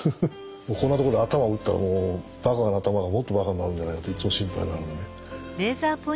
こんなとこで頭打ったらもうバカな頭がもっとバカになるんじゃないかっていっつも心配になるんでね。